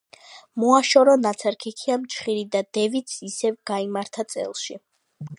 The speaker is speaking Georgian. მოაშორა ნაცარქექიამ ჩხირი და დევიც ისევ გაიმართა წელში.